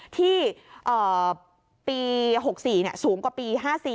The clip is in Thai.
ที่ปี๖๔สูงกว่าปี๕๔